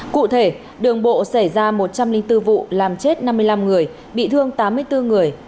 cụ thể đường bộ xảy ra một trăm linh bốn vụ làm chết năm mươi năm người bị thương tám mươi bốn người